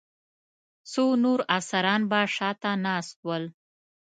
څو نور افسران به شا ته ناست ول.